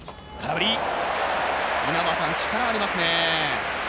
力がありますね。